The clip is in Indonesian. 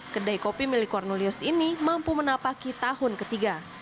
kedai kopi milik cornelius ini mampu menapaki tahun ketiga